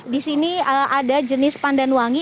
di sini ada jenis pandan wangi